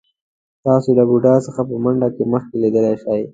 تاسو له بوډا څخه په منډه کې مخکې کېدلی شئ.